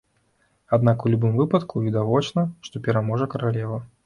Аднак у любым выпадку відавочна, што пераможа каралева.